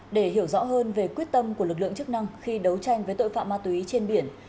để hiểu rõ hơn về quyết tâm của lực lượng chức năng khi đấu tranh với tội phạm ma túy trên biển